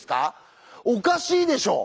おかしいでしょ！